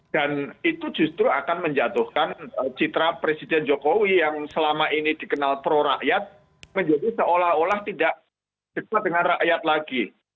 dan itu justru akan menjatuhkan citra presiden jokowi yang selama ini dikenal pro rakyat menjadi seolah olah tidak sempat dengan rakyat lagi